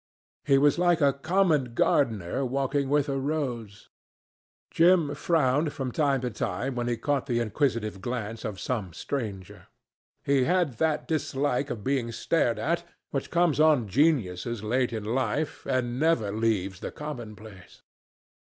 He was like a common gardener walking with a rose. Jim frowned from time to time when he caught the inquisitive glance of some stranger. He had that dislike of being stared at, which comes on geniuses late in life and never leaves the commonplace.